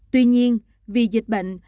tuy nhiên vì dịch bệnh